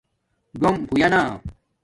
ڈوم ہوئئ نہ